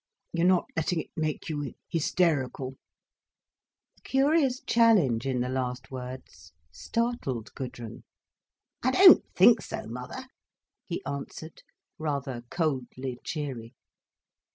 You're not letting it make you hysterical?" The curious challenge in the last words startled Gudrun. "I don't think so, mother," he answered, rather coldly cheery.